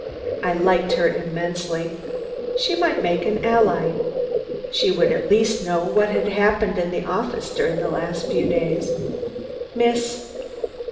I liked her immensely. She might make an ally. She would at least know what had happened in the office during the last few days. "Miss